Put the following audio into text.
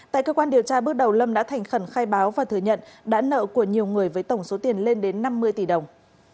tại cơ quan điều tra bước đầu lâm đã thành khẩn khai báo và thừa nhận đã nợ của nhiều người với tổng số tiền lên đến năm mươi tỷ đồng